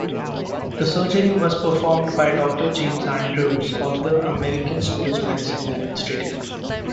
The surgery was performed by Doctor James Andrews of the American Sports Medicine Institute.